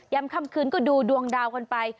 ย้ำค่ำคืนก็ดูดวงดาวก่อนไป